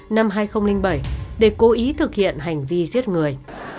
và một mươi năm tháng năm năm hai nghìn bảy để cố ý thực hiện hành vi giết người